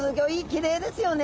きれいですよね。